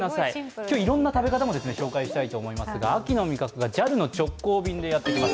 今日、いろんな食べ方も紹介したいと思いますが秋の味覚がＪＡＬの直行便でやってきます。